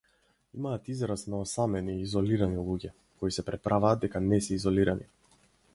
Имаат израз на осамени, изолирани луѓе, кои се преправаат дека не се изолирани.